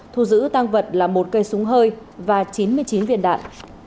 thu giữ tăng vật là một cây súng hơi và chín mươi chín viên đạn